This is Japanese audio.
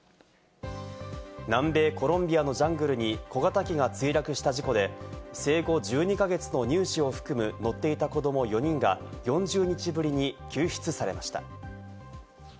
南米コロンビアのジャングルに小型機が墜落した事故で、生後１２か月の乳児を含む乗っていた子ども４人が４０日ぶりに救出されました。